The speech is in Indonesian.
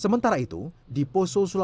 sementara itu di pos sulawesi surakarta